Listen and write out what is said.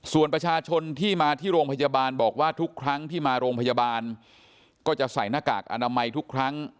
ส่วนประชาชนที่มาที่โรงพยาบาลบอกว่าทุกครั้งที่มาโรงพยาบาลก็จะใส่หน้ากากอนามัยทุกครั้ง